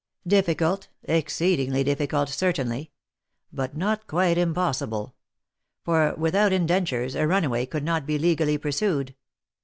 " Difficult, exceedingly difficult, certainly; but not quite impos sible ; for without indentures a runaway could not be legally pursued.